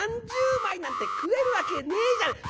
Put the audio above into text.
３０枚なんて食えるわけねえじゃ。